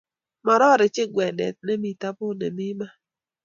Mororejin kwendet nemi tabut nemi maat